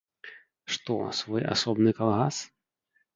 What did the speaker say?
Што, свой асобны калгас?